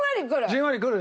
じんわりくる！